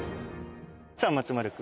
さあ松丸君。